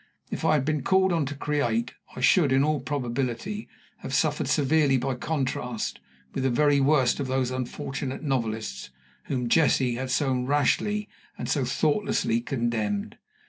If I had been called on to create, I should, in all probability, have suffered severely by contrast with the very worst of those unfortunate novelists whom Jessie had so rashly and so thoughtlessly condemned.